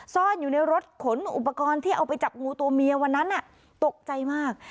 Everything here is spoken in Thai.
ซ่อนอยู่ในรถขนอุปกรณ์ที่เอาไปจับงูตัวเมียวันนั้นตกใจมาก